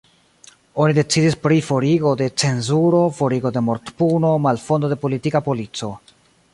Oni decidis pri forigo de cenzuro, forigo de mortpuno, malfondo de politika polico.